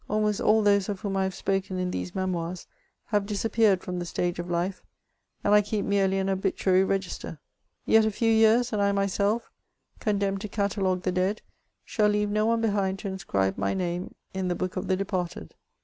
Almost idl those of whom I have spoken in these memoirs have disappeared from the stage of life ; and I keep merely an obituary register. Yet a few years, and I myself, condemned to catalogue the dead, shall leave no one behind to inscribe my name in the book of the departed.